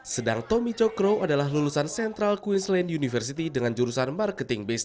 sedang tommy cokro adalah lulusan central queensland university dengan jurusan marketing base